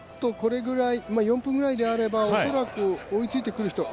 ４分ぐらいであれば恐らく追いついてくる人は。